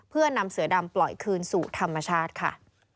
เพื่อนำเสือดำปล่อยคืนสู่ธรรมชาติค่ะ